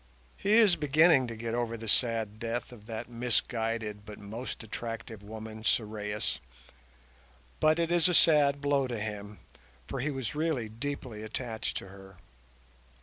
he is beginning to get over the sad death of that misguided but most attractive woman, Sorais, but it is a sad blow to him, for he was really deeply attached to her.